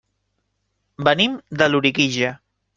Venim de Loriguilla.